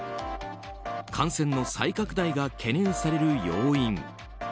感染の再拡大が懸念される要因。